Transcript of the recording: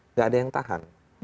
nggak ada yang tahan